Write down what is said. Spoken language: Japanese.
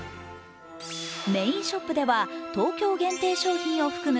メインショップでは東京限定商品を含む